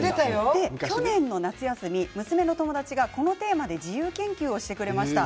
去年の夏休み娘の友達がこのテーマで自由研究をしてくれました。